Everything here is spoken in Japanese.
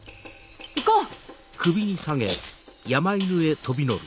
行こう！